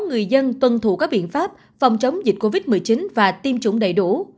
người dân tuân thủ các biện pháp phòng chống dịch covid một mươi chín và tiêm chủng đầy đủ